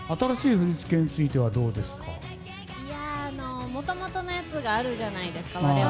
我々のもともとのやつがあるじゃないですか。